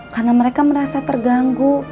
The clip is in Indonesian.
karena mereka merasa terganggu